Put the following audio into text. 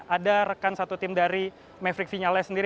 ada rekan satu tim dari maverick vinales sendiri